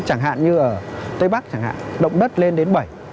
chẳng hạn như ở tây bắc chẳng hạn động đất lên đến bảy